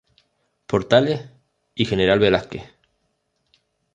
Portales y General Velásquez.